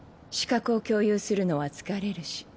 視覚を共有するのは疲れるし。